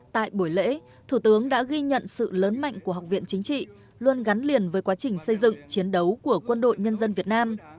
tại buổi lễ thủ tướng đã ghi nhận sự lớn mạnh của học viện chính trị luôn gắn liền với quá trình xây dựng chiến đấu của quân đội nhân dân việt nam